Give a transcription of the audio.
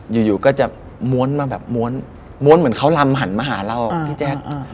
อยู่ก็จะม้วนมาแบบม้วนม้วนเหมือนเขาลำหันมาหาเราพี่แจ๊ค